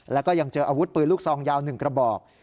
แล้วก็ยังเจออาวุธปืนลูกซองยาว๑กระบอก